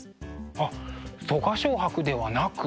あっ我蕭白ではなく？